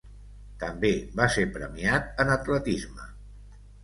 També va ser premiat en atletisme.